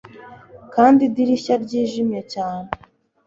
Kandi idirishya ryijimye cyane